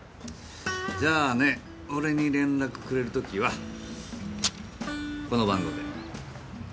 じゃあね俺に連絡くれる時はこの番号で。